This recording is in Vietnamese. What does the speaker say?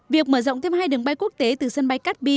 việc mở rộng thêm hai đường bay quốc tế từ sân bay cát bi